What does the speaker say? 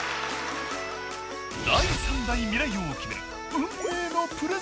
第３代未来王を決める